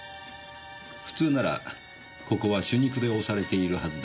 普通ならここは朱肉で押されているはずですよね？